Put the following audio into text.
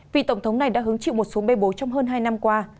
vì tổng thống này đã hứng chịu một số mê bố trong hơn hai năm qua